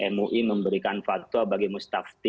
mui memberikan faktor yang berbeda dan berbeda dengan hal itu ya